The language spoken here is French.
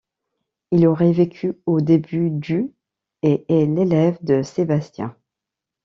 Il aurait vécu au début du et est l'élève de Sebastian.